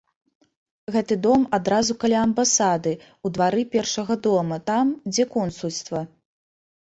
Гэты дом адразу каля амбасады, у двары першага дома, там, дзе консульства.